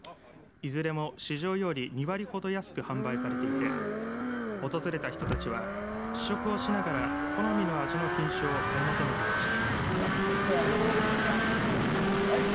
いずれも市場より２割ほど安く販売されていて訪れた人たちは試食をしながら好みの味の品種を買い求めていました。